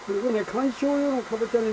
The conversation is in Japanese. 観賞用のかぼちゃでね。